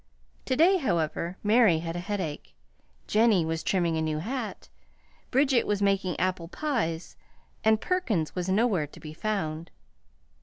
To day, however, Mary had a headache, Jennie was trimming a new hat, Bridget was making apple pies, and Perkins was nowhere to be found.